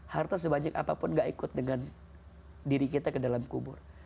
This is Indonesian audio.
harta sebanyak apapun gak ikut dengan diri kita ke dalam kubur